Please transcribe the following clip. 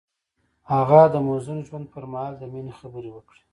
هغه د موزون ژوند پر مهال د مینې خبرې وکړې.